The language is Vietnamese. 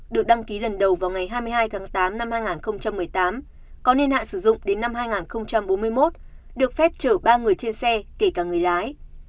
được đăng ký lần đầu vào ngày hai mươi hai tháng tám năm hai nghìn một mươi tám có niên hạn sử dụng đến năm hai nghìn bốn mươi một được phép chở ba người trên xe kể cả người lái